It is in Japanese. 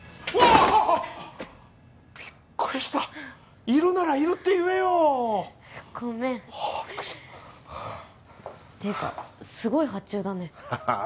ああっビックリしたいるならいるって言えよごめんああビックリしたていうかすごい発注だねハハッ